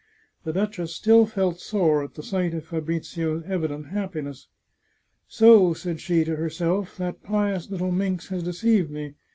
The duchess still felt sore at the sight of Fabrizio's evident happiness. " So," said she to herself, " that pious little minx has deceived me